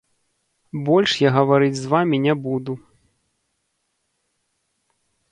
Больш я гаварыць з вамі не буду.